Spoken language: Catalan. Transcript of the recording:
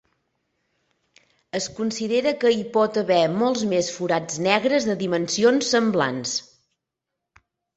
Es considera que hi pot haver molts més forats negres de dimensions semblants.